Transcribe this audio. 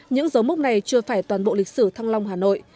những dấu mốc này chưa phải toàn bộ lịch sử thăng long hà nội